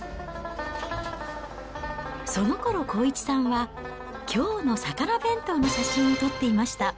そのころ康一さんは、きょうの魚弁当の写真を撮っていました。